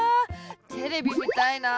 テレビみたいな。